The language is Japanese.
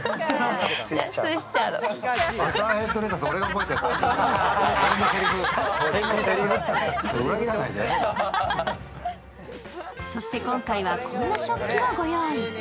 更にそして今回は、こんな食器をご用意。